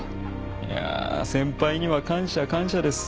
いやあ先輩には感謝感謝です。